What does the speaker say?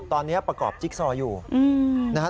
ตอนนี้ประกอบจิ๊กซออยู่นะครับ